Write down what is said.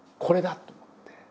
「これだ！」と思って。